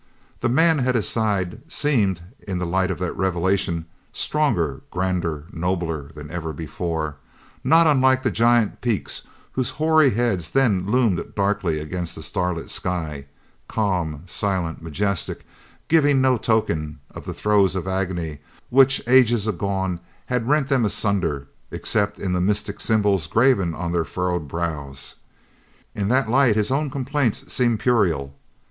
The man at his side seemed, in the light of that revelation, stronger, grander, nobler than ever before; not unlike to the giant peaks whose hoary heads then loomed darkly against the starlit sky, calm, silent, majestic, giving no token of the throes of agony which, ages agone, had rent them asunder except in the mystic symbols graven on their furrowed brows. In that light his own complaints seemed puerile.